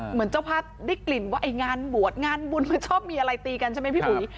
เหมือนเจ้าภาพได้กลิ่นว่าไอ้งานบวชงานบุญมันชอบมีอะไรตีกันใช่ไหมพี่อุ๋ย